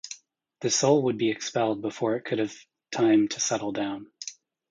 The soul would be expelled before it could have time to settle down.